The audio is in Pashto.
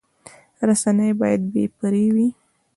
رسنۍ باید بې پرې وي